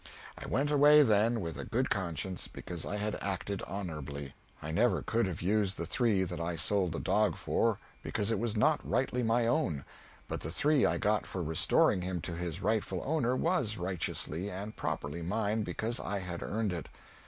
I went away then with a good conscience, because I had acted honorably; I never could have used the three that I sold the dog for, because it was not rightly my own, but the three I got for restoring him to his rightful owner was righteously and properly mine, because I had earned it.